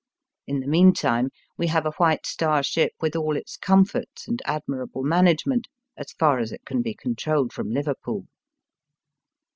In the meantime we have a White Star ship with all its comforts and admirable management, as far as it can be controlled from Liverpool.